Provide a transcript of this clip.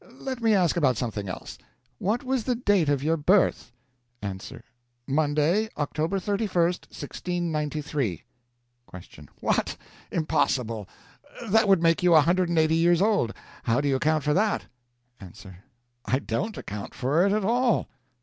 Let me ask about something else. What was the date of your birth? A. Monday, October 31, 1693. Q. What! Impossible! That would make you a hundred and eighty years old. How do you account for that? A. I don't account for it at all.